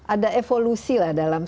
ada evolusi lah dalam